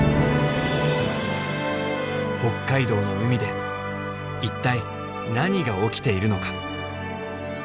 北海道の海で一体何が起きているのか？